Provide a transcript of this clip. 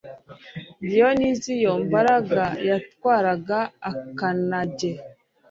diyoniziyo mbaraga yatwaraga akanage